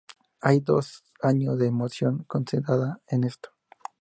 Hay dos años de emoción condensada en esto.